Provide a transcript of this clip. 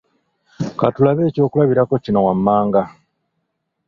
ka tulabe eky’okulabirako kino wammanga